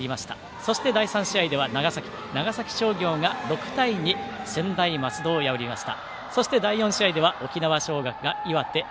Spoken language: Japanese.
そして第３試合では長崎・長崎商業が６対２専大松戸を破りました。